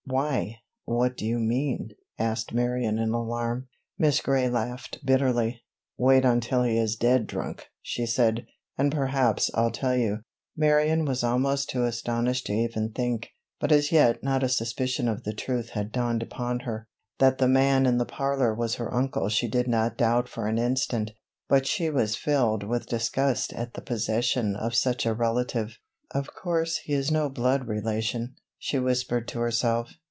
"Why, what do you mean?" asked Marion in alarm. Miss Gray laughed bitterly. "Wait until he is dead drunk," she said, "and perhaps I'll tell you." Marion was almost too astonished to even think, but as yet not a suspicion of the truth had dawned upon her. That the man in the parlor was her uncle she did not doubt for an instant, but she was filled with disgust at the possession of such a relative. "Of course he is no blood relation," she whispered to herself.